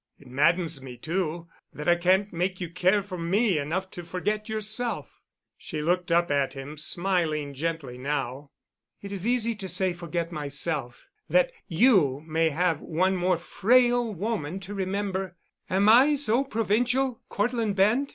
It maddens me, too—that I can't make you care for me enough to forget yourself." She looked up at him, smiling gently now. "It is easy to say forget myself, that you may have one more frail woman to remember. Am I so provincial, Cortland Bent?